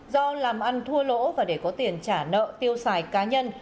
do làm ăn thua lỗ và để có tiền trả nợ tiêu xài cá nhân